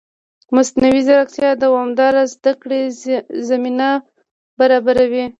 مصنوعي ځیرکتیا د دوامدارې زده کړې زمینه برابروي.